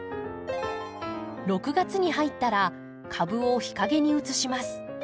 ６月に入ったら株を日陰に移します。